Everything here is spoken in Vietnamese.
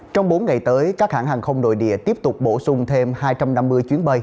trong bốn ngày tới các hãng hàng không nội địa tiếp tục bổ sung thêm hai trăm năm mươi chuyến bay